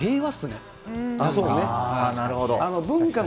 なるほど。